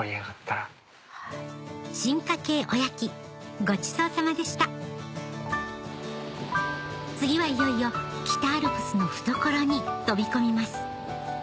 進化形おやきごちそうさまでした次はいよいよ北アルプスの懐に飛び込みます